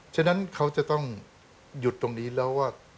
ฉะนั้นเขาจะต้องหยุดตรงนี้แล้วว่า